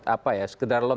apa ya sekedar